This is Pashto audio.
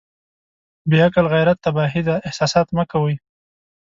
بې عقل غيرت تباهي ده احساسات مه کوئ.